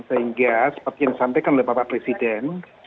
sehingga seperti yang disampaikan oleh bapak presiden